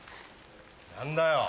何だよ。